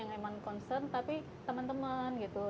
gak concern tapi temen temen gitu